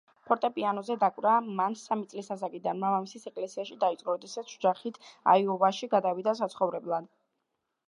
ფორტეპიანოზე დაკვრა მან სამი წლის ასაკიდან, მამამისის ეკლესიაში დაიწყო, როდესაც ოჯახით აიოვაში გადავიდა საცხოვრებლად.